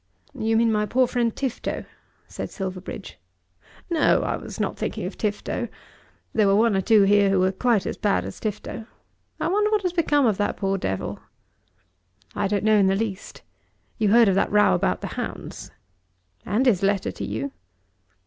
"You mean my poor friend Tifto," said Silverbridge. "No; I was not thinking of Tifto. There were one or two here who were quite as bad as Tifto. I wonder what has become of that poor devil?" "I don't know in the least. You heard of that row about the hounds?" "And his letter to you."